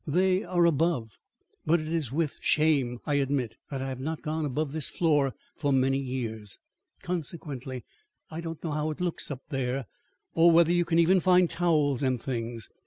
"They are above; but it is with shame I admit that I have not gone above this floor for many years. Consequently, I don't know how it looks up there or whether you can even find towels and things.